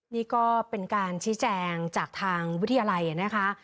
นี่ก็เป็นการชี้แจงจากทางวิทยาลัยนะคะ